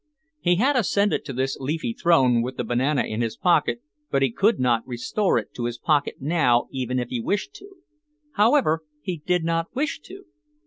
He had ascended to this leafy throne with the banana in his pocket but he could not restore it to his pocket now even if he wished to. However, he did not wish to.